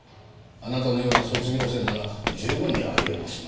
あなたのような卒業生なら十分にあり得ますな。